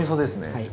はい。